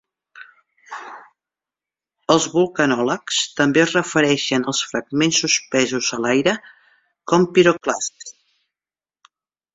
Els vulcanòlegs també es refereixen als fragments suspesos a l'aire com piroclasts.